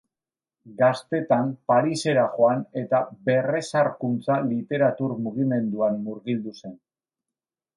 Gaztetan Parisera joan eta Berrezarkuntza literatur mugimenduan murgildu zen.